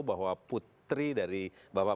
bahwa putri dari bapak